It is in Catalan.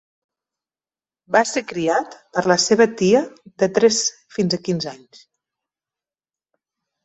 Va ser criat per la seva tia de tres fins a quinze anys.